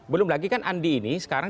belum lagi kan andi ini sekarang